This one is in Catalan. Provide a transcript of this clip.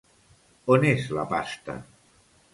On és la pasta?